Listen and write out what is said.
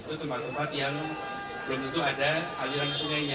itu tempat tempat yang belum tentu ada aliran sungainya